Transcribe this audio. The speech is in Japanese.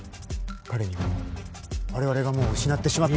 彼には我々がもう失ってしまったものを。